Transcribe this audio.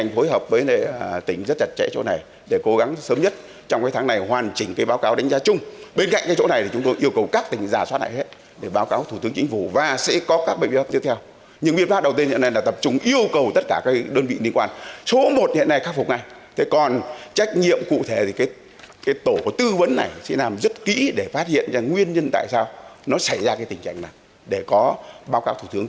nguyên nhân tại sao nó xảy ra cái tình trạng này để có báo cáo thủ tướng